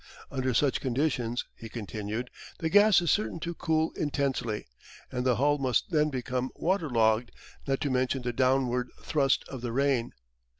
Under such conditions, he continued, the gas is certain to cool intensely, and the hull must then become waterlogged, not to mention the downward thrust of the rain.